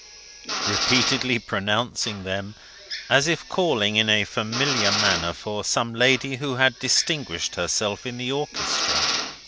repeatedly pronouncing them as if calling in a familiar manner for some lady who had distinguished herself in the orchestra.